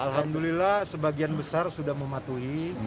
alhamdulillah sebagian besar sudah mematuhi